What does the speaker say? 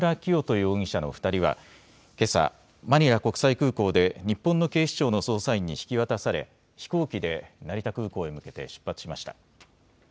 容疑者の２人はけさマニラ国際空港で日本の警視庁の捜査員に引き渡され飛行機で成田空港へ向けて出発しました。